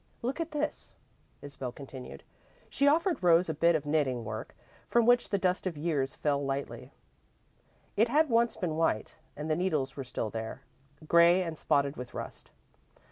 "Look at this," Isabel continued. She offered Rose a bit of knitting work, from which the dust of years fell lightly. It had once been white, and the needles were still there, grey and spotted with rust.